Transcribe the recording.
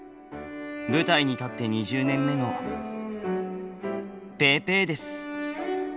舞台に立って２０年目のぺーペーです